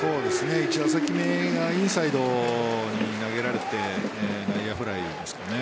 １打席目がインサイドに投げられて内野フライですかね。